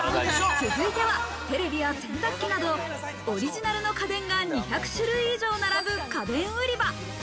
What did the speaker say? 続いては、テレビや洗濯機など、オリジナルの家電が２００種類以上並ぶ、家電売り場。